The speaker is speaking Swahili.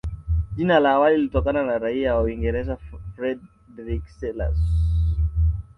Jina la awali lilitokana na raia wa Uingereza Frederick Selous